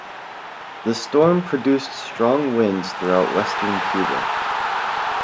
The storm produced strong winds throughout western Cuba.